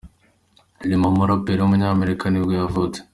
Lil Mama, umuraperikazi w’umunyamerika nibwo yavutse.